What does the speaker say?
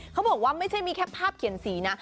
เขาบอกว่าไม่ใช่มีแค่ภาพเขียนสีนะ